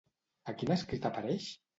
A quin escrit apareix?